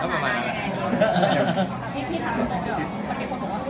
แล้วประมาณอะไร